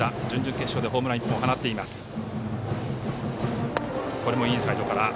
準々決勝ではホームラン１本放っています。